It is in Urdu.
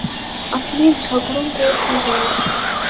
اپنے جھگڑوں کو سلجھاؤ۔